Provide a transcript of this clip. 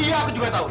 iya aku juga tahu